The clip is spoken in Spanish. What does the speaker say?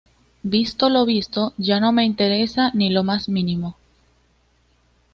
Visto lo visto, ya no me interesa ni lo más mínimo